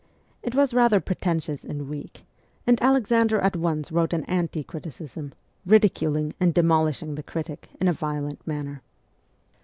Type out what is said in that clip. It was rather pretentious and weak, and Alexander at once wrote an anti criticism, ridiculing and demolishing the critic in a violent manner.